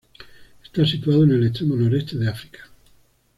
Está situado en el extremo noreste de África.